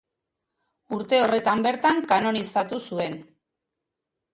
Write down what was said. Urte horretan bertan kanonizatu zuen.